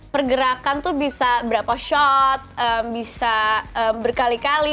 pergerakan tuh bisa berapa shot bisa berkali kali